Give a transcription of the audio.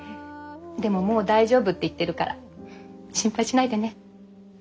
でももう大丈夫って言ってるから心配しないでね。